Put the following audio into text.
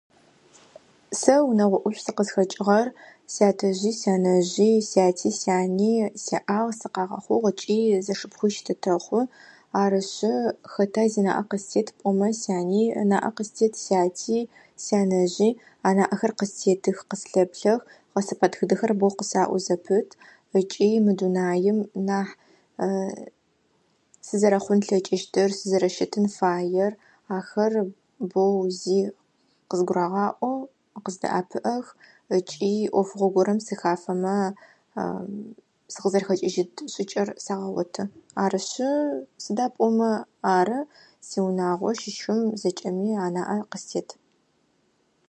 Сэ унэгъо ӏужъу сыкъызхэкӏыгъэр: сятэжъи, сянэжъи, сяти, сяни сиӏагъ, сыкъагъэхъугъ ыкӏи. Зэшыпхъущ тэ тэхъу. Арышъы, хэта зинаӏэ къыстет пӏомэ: сяни ынаӏэ къыстет, сяти, сянэжъи. Анаӏэхэр къыстетых, къыслъэплъэх, гъэсэпэтыдэхэр боу къысаӏо зэпыт, ыкӏи мы дунаим нахь сызэрэхъун лъэкӏыщтыр, сызэрэщытын фаер. Ахэр боу зи къызгурагъаӏо, къыздаӏэпыӏэх, ыкӏи ӏофыгъо горэм сыхафэмэ сыкъызэрэхэкӏыжьыт шӏыкӏэр сагъэгъоты. Арышъы, сыда пӏомэ ары. Сиунагъо щыщым зэкӏэми анаӏэ къыстет.